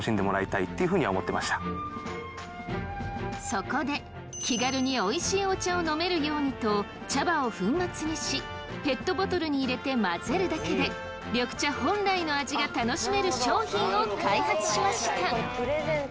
そこで気軽においしいお茶を飲めるようにと茶葉を粉末にしペットボトルに入れて混ぜるだけで緑茶本来の味が楽しめる商品を開発しました。